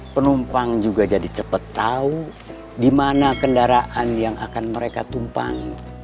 penumpang juga jadi cepat tahu di mana kendaraan yang akan mereka tumpang